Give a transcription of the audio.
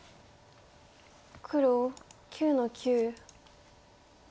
黒９の九。